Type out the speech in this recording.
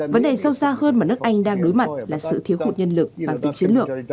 vấn đề sâu xa hơn mà nước anh đang đối mặt là sự thiếu khuất nhân lực bán tích chiến lược